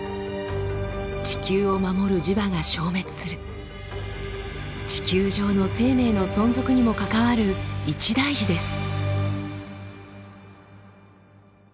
地球を守る地球上の生命の存続にも関わる一大事です。